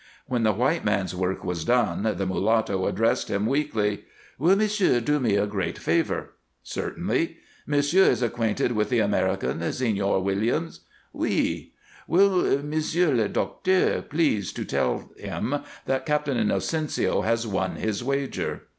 When the white man's work was done, the mulatto addressed him weakly: "Will m'sieu' do me a great favor?" "Certainly." "M'sieu' is acquainted with the American, Señor Williams?" "Oui." "Will m'sieu' le docteur please to tell him that Captain Inocencio has won his wager?"